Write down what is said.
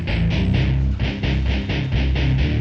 daud men mereka ngambil polisi